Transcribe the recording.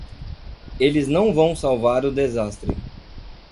Eles não vão salvar o desastre